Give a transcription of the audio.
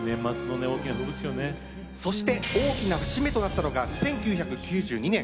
そして、大きな節目となったのが１９９２年。